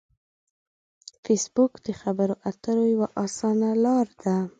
فېسبوک د خبرو اترو یوه اسانه لار ده